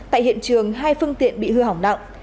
tại hiện trường hai phương tiện bị hư hỏng nặng